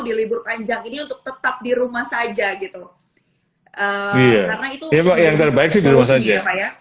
di libur panjang ini untuk tetap di rumah saja gitu karena itu yang terbaik sih di rumah saja